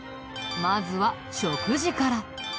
まずは食事から。